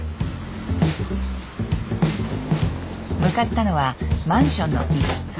向かったのはマンションの一室。